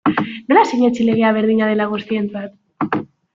Nola sinetsi legea berdina dela guztientzat?